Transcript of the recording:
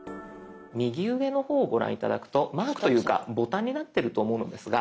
右上の方をご覧頂くとマークというかボタンになってると思うのですが。